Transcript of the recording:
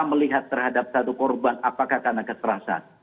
kita melihat terhadap satu korban apakah karena keterasan